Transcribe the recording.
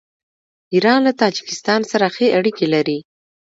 ایران له تاجکستان سره ښې اړیکې لري.